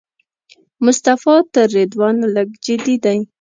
مصطفی تر رضوان لږ جدي دی.